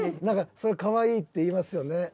何かそれがかわいいって言いますよね